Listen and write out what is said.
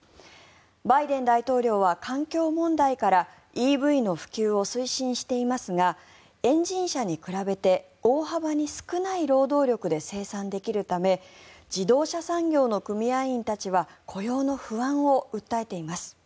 バイデン大統領は環境問題からＥＶの普及を推進していますがエンジン車に比べて大幅に少ない労働力で生産できるため自動車産業の組合員たちは雇用の不安を訴えています。